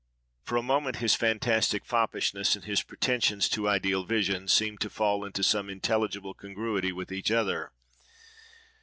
For a moment his fantastic foppishness and his pretensions to ideal vision seemed to fall into some intelligible congruity with each other.